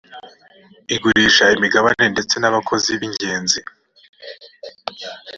igurisha imigabane ndetse n abakozi b ingenzi